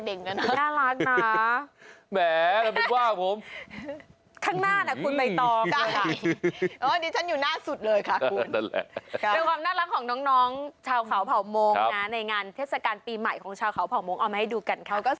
เต๋อง้อยหรอคอยอ้ายแม่ละมีบ้านผมข้างหน้านะคุณไม่ตอบเลยค่ะอันนี้ฉันอยู่หน้าสุดเลยค่ะคุณโดยความน่ารักของน้องชาวขาวเผาโมงนะในงานเทศกาลปีใหม่ของชาวขาวเผาโมงเอามาให้ดูกันครับ